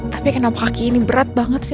tapi kenapa kaki ini berat banget sih